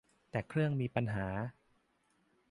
แต่เครื่องมีปัญหา